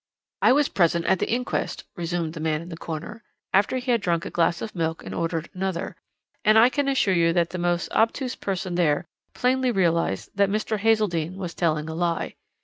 "I was present at the inquest," resumed the man in the corner, after he had drunk a glass of milk and ordered another, "and I can assure you that the most obtuse person there plainly realized that Mr. Hazeldene was telling a lie.